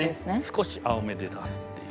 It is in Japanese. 少し青めで出すっていう。